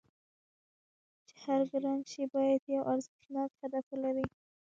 چې هر ګران شی باید یو ارزښتناک هدف ولري